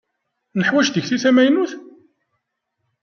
Neḥwaǧ tikti tamaynut?